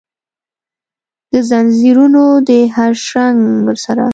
دځنځیرونو د هرشرنګ سره،